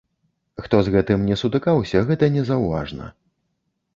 Хто з гэтым не сутыкаўся, гэта незаўважна.